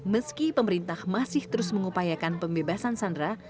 meski pemerintah masih terus mengupayakan pembebasan sandera